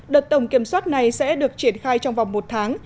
đợt tổng kiểm soát này sẽ được triển khai trong vòng một tháng